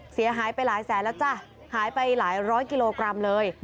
เสียหายไปหลายแสนแล้วจ้ะหายไปหลายร้อยกิโลกรัมเลย